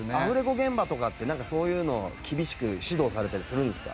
現場とかってなんかそういうの厳しく指導されたりするんですか？